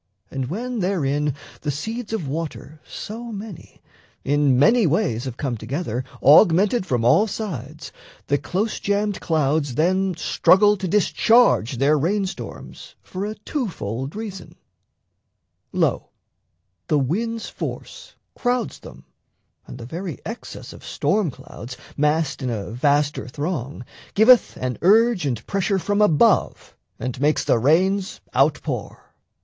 And when therein The seeds of water so many in many ways Have come together, augmented from all sides, The close jammed clouds then struggle to discharge Their rain storms for a two fold reason: lo, The wind's force crowds them, and the very excess Of storm clouds (massed in a vaster throng) Giveth an urge and pressure from above And makes the rains out pour.